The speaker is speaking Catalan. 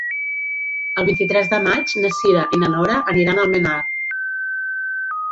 El vint-i-tres de maig na Cira i na Nora aniran a Almenar.